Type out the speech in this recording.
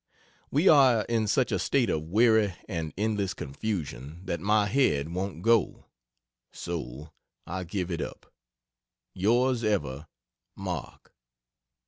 We are in such a state of weary and endless confusion that my head won't go. So I give it up..... Yrs ever, MARK.